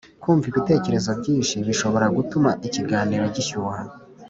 Kumva ibitekerezo byinshi bishobora gutuma ikiganiro gishyuha